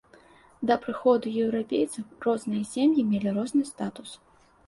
Да прыходу еўрапейцаў розныя сем'і мелі розны статус.